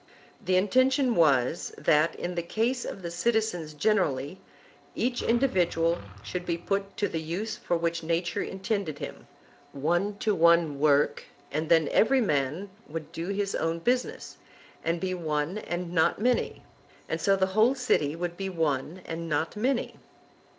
The intention was, that, in the case of the citizens generally, each individual should be put to the use for which nature intended him, one to one work, and then every man would do his own business, and be one and not many; and so the whole city would be one and not many.